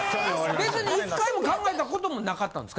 別に１回も考えたこともなかったんですか？